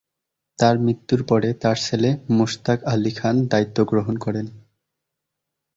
তাঁর মৃত্যুর পরে তার ছেলে মোশতাক আলী খান দায়িত্ব গ্রহণ করেন।